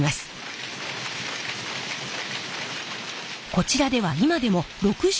こちらでは今でも６０